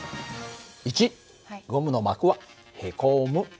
１ゴムの膜はへこむ。